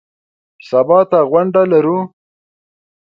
سبا ته غونډه لرو .